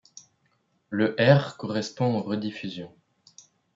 Le ® correspond aux rediffusions.